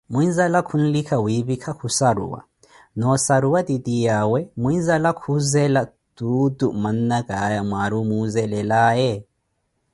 Muinzala khunlika wiphika khussaruwa, noo ossaruwa titiyawe muinzala khuzela tuutu manankhaya Mwari omuzeelelaye?